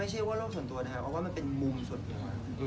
ไม่ใช่ว่าโรคส่วนตัวนะฮะว่ามันเป็นมุมส่วนตัว